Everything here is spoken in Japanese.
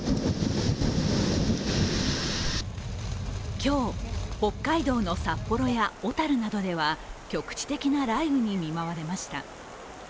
今日、北海道の札幌や小樽などでは局地的な雷雨に見舞われました。